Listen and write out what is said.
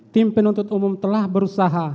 tim penuntut umum telah berusaha